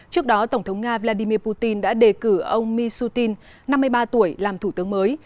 trước đó tổng thống nga vladimir putin đã đề cử ông mishustin năm mươi ba tuổi làm thủ tướng mới